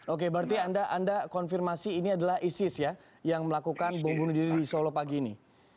oke berarti anda konfirmasi ini adalah isis ya yang melakukan bom bunuh diri di solo pagi ini